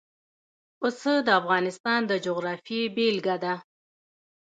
پسه د افغانستان د جغرافیې بېلګه ده.